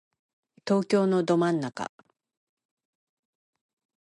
東京のど真ん中